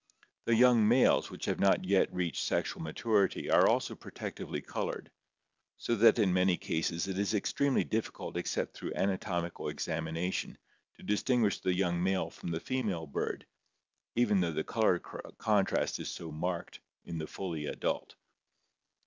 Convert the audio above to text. The young males which have not yet reached sexual maturity are also protectively colored, so that in many cases it is extremely difficult except through anatomical examination to distinguish the young male from the female bird, even though the color contrast is so marked in the fully adult.